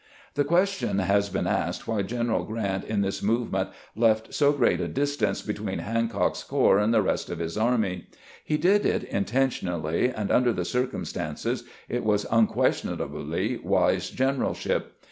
The question has been asked why Q eneral Grant in this movement left so great a distance between Han cock's corps and the rest of his army. He did it inten tionally, and under the circumstances it was unques tionably wise generalship.